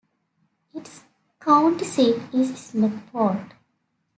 Its county seat is Smethport.